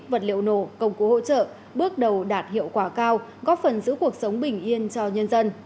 vật liệu nổ công cụ hỗ trợ bước đầu đạt hiệu quả cao góp phần giữ cuộc sống bình yên cho nhân dân